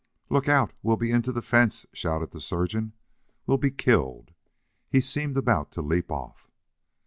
"Look out! We'll be into the fence!" shouted the surgeon. "We'll be killed!" He seemed about to leap off.